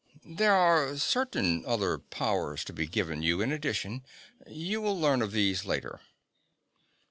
_" "There are certain other powers to be given you in addition. You will learn of these later."